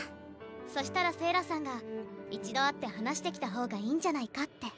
そしたら聖良さんが一度会って話してきた方がいいんじゃないかって。